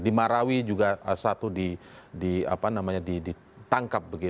di marawi juga satu ditangkap